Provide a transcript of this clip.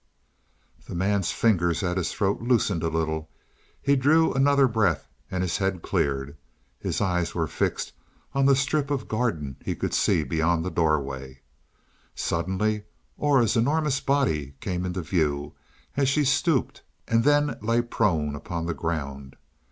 The man's fingers at his throat loosened a little; he drew another breath, and his head cleared. His eyes were fixed on the strip of garden he could see beyond the doorway. Suddenly Aura's enormous body came into view, as she stooped and then lay prone upon the ground.